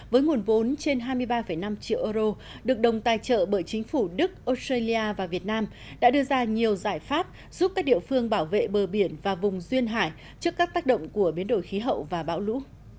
với nguồn vốn trên hai mươi ba năm triệu euro được đồng tài trợ bởi chính phủ đức australia và việt nam đã đưa ra nhiều giải pháp giúp các địa phương bảo vệ bờ biển và vùng duyên hải trước các tác động của biến đổi khí hậu và bão lũ